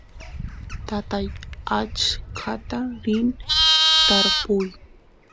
tatay achkata rin tarpuy